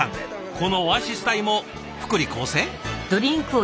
このオアシス隊も福利厚生？